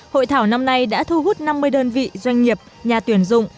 hội thảo năm nay đã thu hút năm mươi đơn vị doanh nghiệp nhà tuyển dụng